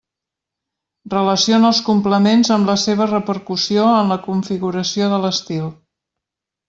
Relaciona els complements amb la seva repercussió en la configuració de l'estil.